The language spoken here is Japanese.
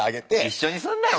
一緒にすんなよ